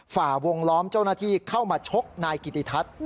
ฝ่าวงล้อมเจ้าหน้าที่เข้ามาชกนายกิติทัศน์